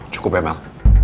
cukup ya mel